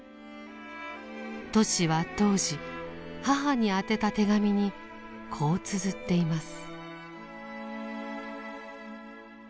トシは当時母に宛てた手紙にこうつづっています。